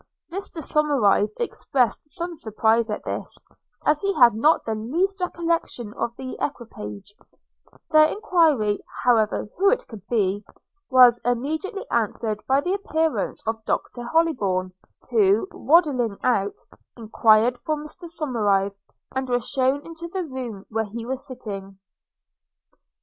Mr Somerive expressed some surprise at this, as he had not the least recollection of the equipage: their enquiry, however who it could be, was immediately answered by the appearance of Doctor Hollybourn; who, waddling out, enquired for Mr Somerive, and was shewn into the room where he was sitting.